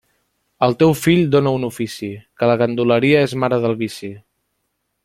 Al teu fill dóna un ofici, que la ganduleria és mare del vici.